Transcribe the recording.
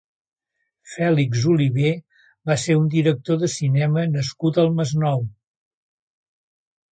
Fèlix Oliver va ser un director de cinema nascut al Masnou.